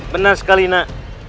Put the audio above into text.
benar sekali nak